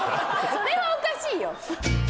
それはおかしいよ。